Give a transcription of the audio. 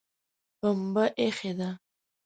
پمبه ایښې ده